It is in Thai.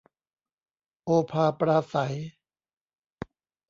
โอภาปราศรัย